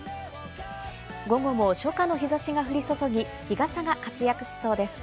午後も初夏の日差しが降り注ぎ、日傘が活躍しそうです。